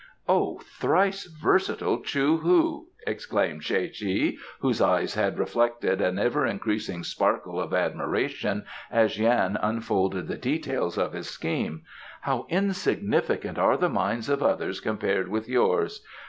"O thrice versatile Chou hu!" exclaimed Tsae che, whose eyes had reflected an ever increasing sparkle of admiration as Yan unfolded the details of his scheme, "how insignificant are the minds of others compared with yours!